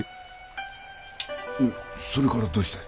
それからどうした？